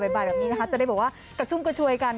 บ่ายแบบนี้นะคะจะได้บอกว่ากระชุ่มกระชวยกัน